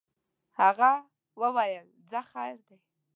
هغه ویل ځه خیر دی.